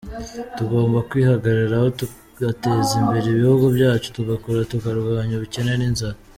Tugomba kwihagararaho tugateza imbere ibihugu byacu, tugakora tukarwanya ubukene n’inzara.”